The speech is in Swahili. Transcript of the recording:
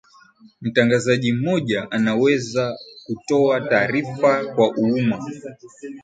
mtangazaji mmoja anaweza kutoa tarifa kwa uuma